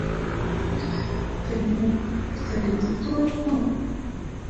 — Тый мо, сталинист улат мо?